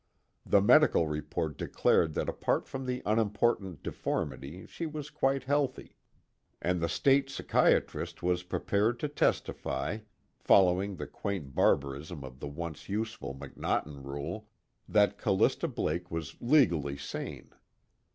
The medical report declared that apart from the unimportant deformity she was quite healthy. And the State's psychiatrist was prepared to testify, following the quaint barbarism of the once useful McNaughton Rule, that Callista Blake was legally sane.